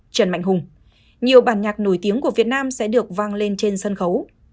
trần mạnh hùng nhiều bản nhạc nổi tiếng của việt nam sẽ được vang lên trên sân khấu